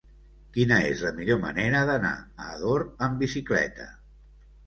Quina és la millor manera d'anar a Ador amb bicicleta?